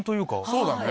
そうだね。